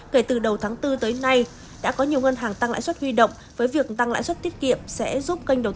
kể từ đầu tháng bốn tới nay đã có nhiều ngân hàng tăng lãi suất huy động với việc tăng lãi suất tiết kiệm